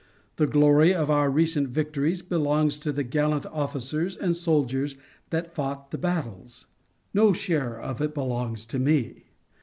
The glory of our recent victories belongs to the gallant officers and soldiers that fought the battles. No share of it belongs to me.